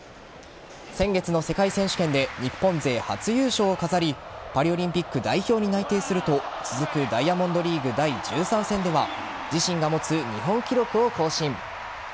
先月の世界選手権で日本勢初優勝を飾りパリオリンピック代表に内定すると続くダイヤモンドリーグ第１３戦では自身が持つ日本記録を更新。